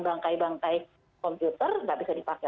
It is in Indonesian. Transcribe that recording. bangkai bangkai komputer nggak bisa dipakai